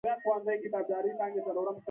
د کار صداقت عزت راوړي.